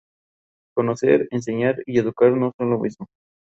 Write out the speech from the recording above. Si explotan ambos globos, el jugador pierde una vida en el juego.